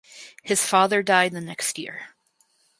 His father died the next year.